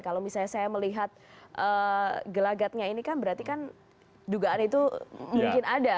kalau misalnya saya melihat gelagatnya ini kan berarti kan dugaan itu mungkin ada